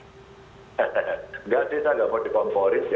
tidak saya tidak mau dikomporin